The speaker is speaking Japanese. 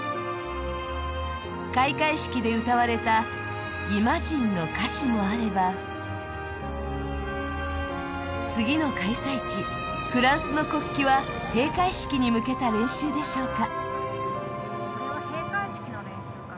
開会式で歌われた「Ｉｍａｇｉｎｅ」の歌詞もあれば、次の開催地・フランスの国旗は閉会式に向けた練習でしょうか。